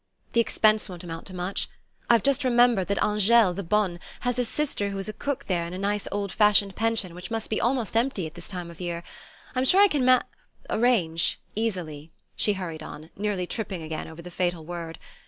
"The expense won't amount to much. I've just remembered that Angele, the bonne, has a sister who is cook there in a nice old fashioned pension which must be almost empty at this time of year. I'm sure I can ma arrange easily," she hurried on, nearly tripping again over the fatal word.